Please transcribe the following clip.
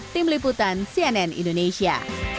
tim liputan cnn indonesia